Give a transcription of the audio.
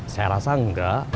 saya rasa enggak